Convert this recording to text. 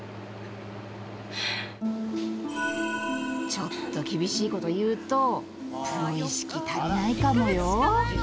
ちょっと厳しいこと言うと意識足りないかもよ？